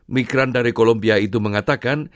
migran dari kolombia itu mengatakan